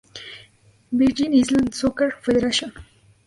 Virgin Islands Soccer Federation.